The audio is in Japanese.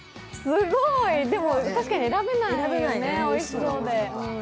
すごい、確かに選べないよね、おいしそうで。